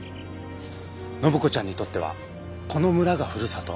暢子ちゃんにとってはこの村がふるさと。